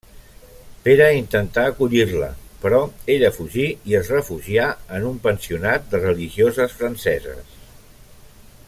Pere intentà acollir-la, però ella fugí i es refugià en un pensionat de religioses franceses.